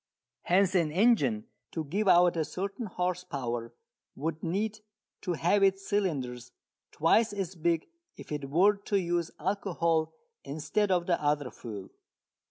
Hence an engine to give out a certain horse power would need to have its cylinders twice as big if it were to use alcohol instead of the other fuel.